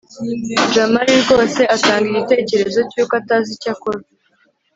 jamali rwose atanga igitekerezo cyuko atazi icyo akora